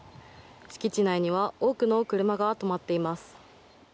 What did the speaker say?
敷地内には多くの車が止まっています。